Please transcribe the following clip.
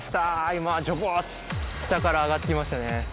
今ジョボ下から上がってきましたね